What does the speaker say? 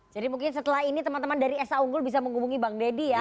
jadi mungkin setelah ini teman teman dari sa unggul bisa menghubungi bang dedy ya